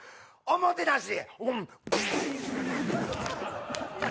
おもてなし！